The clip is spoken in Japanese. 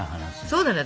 そうなのよ